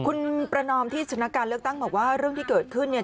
คุณประนอมที่ชนะการเลือกตั้งบอกว่าเรื่องที่เกิดขึ้นเนี่ย